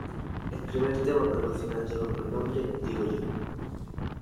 El primer tema promocional lleva por nombre Digo yo.